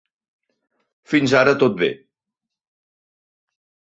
Fins ara tot bé.